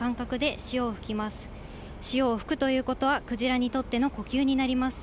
潮を吹くということは、クジラにとっての呼吸になります。